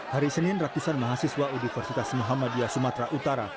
hari senin ratusan mahasiswa universitas muhammadiyah sumatera utara